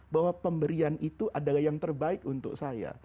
bahwa pemberian itu adalah yang terbaik untuk saya